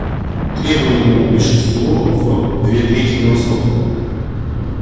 Требуемое большинство в две трети голосов: